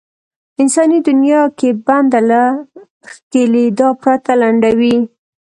انساني دنيا کې بنده له ښکېلېدا پرته لنډوي.